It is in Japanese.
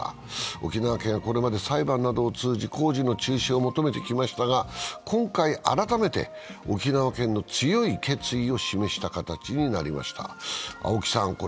沖縄県はこれまで裁判などを通じ工事の中止を求めてきましたが、今回改めて、沖縄県の強い決意を示した形になりました。